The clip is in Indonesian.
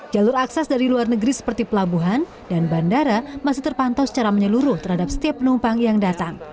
jalur akses dari luar negeri seperti pelabuhan dan bandara masih terpantau secara menyeluruh terhadap setiap penumpang yang datang